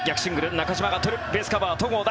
中島がとるベースカバーが戸郷だ。